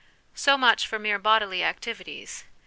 So much for mere bodily activities.